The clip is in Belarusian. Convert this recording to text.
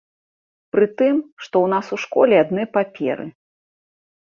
Прытым, што ў нас у школе адны паперы.